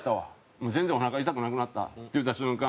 「もう全然おなか痛くなくなった」って言うた瞬間